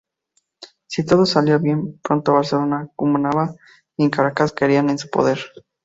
Si todo salía bien, pronto Barcelona, Cumaná y Caracas caerían en su poder.